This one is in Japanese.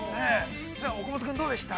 岡本君どうでした？